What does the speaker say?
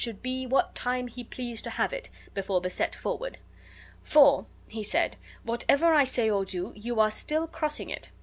should be what time he pleased to have it, before beset forward. "For," he said, "whatever I say or do, you still are crossing it.